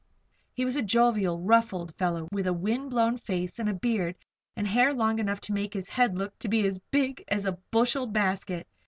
He was a jovial, rough old fellow, with a wind blown face and beard and hair enough to make his head look to be as big as a bushel basket.